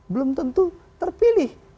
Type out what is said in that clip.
belum tentu terpilih